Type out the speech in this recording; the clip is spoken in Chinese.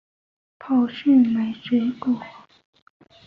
跑去买水果